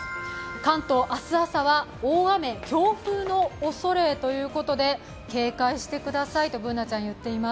関東、明日朝は大雨・強風のおそれということで警戒してくださいとＢｏｏｎａちゃん言っています